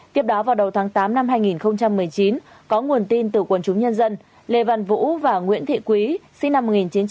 tiếp đó vào đầu tháng tám năm hai nghìn một mươi chín có nguồn tin từ quần chúng nhân dân lê văn vũ và nguyễn thị quý sinh năm một nghìn chín trăm tám mươi